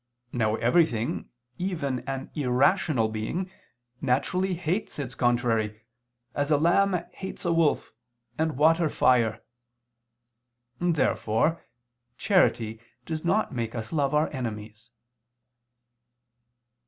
Now everything, even an irrational being, naturally hates its contrary, as a lamb hates a wolf, and water fire. Therefore charity does not make us love our enemies.